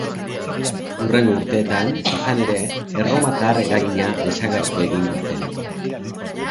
Hurrengo urteetan, izan ere, erromatar eragina desagertu egingo zen.